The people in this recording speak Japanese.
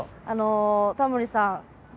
あのタモリさん